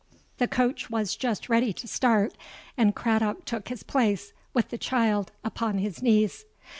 "The coach was just ready to start; and Craddock took his place, with the child upon his knees.